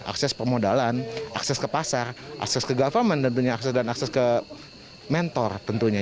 akses permodalan akses ke pasar akses ke government tentunya akses dan akses ke mentor tentunya